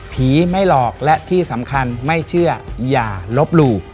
ไม่หลอกและที่สำคัญไม่เชื่ออย่าลบหลู่